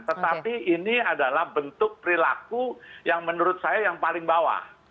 tetapi ini adalah bentuk perilaku yang menurut saya yang paling bawah